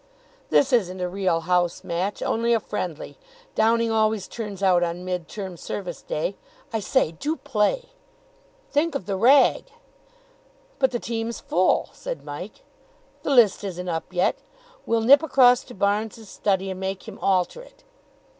"This isn't a real house match. Only a friendly. Downing always turns out on Mid term Service day. I say, do play." "Think of the rag." "But the team's full," said Mike. "The list isn't up yet. We'll nip across to Barnes' study, and make him alter it."